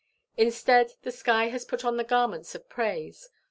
Instead, the sky has put on the garments of praise.